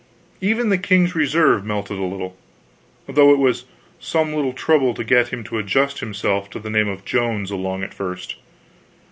Even the king's reserve melted a little, though it was some little trouble to him to adjust himself to the name of Jones along at first.